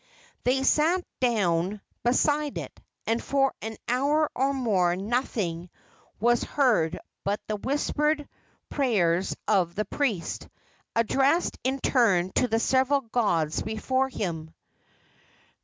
They sat down beside it, and for an hour or more nothing was heard but the whispered prayers of the priest, addressed in turn to the several gods before him.